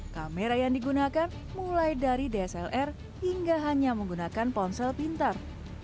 kamera yang digunakan mulai dari dslr hingga hanya menggunakan ponsel pintar